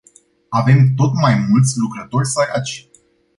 Avem tot mai mulți lucrători săraci.